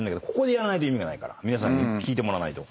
皆さんに聞いてもらわないと。